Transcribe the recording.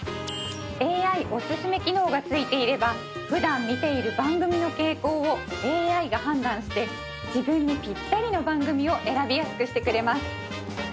ＡＩおすすめ機能がついていればふだん見ている番組の傾向をＡＩが判断して自分にぴったりの番組を選びやすくしてくれます